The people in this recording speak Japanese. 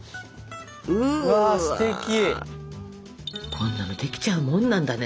こんなのできちゃうもんなんだね。